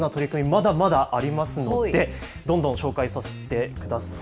まだまだありますので、どんどん紹介させてください。